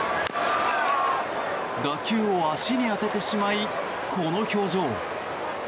打球を足に当ててしまいこの表情。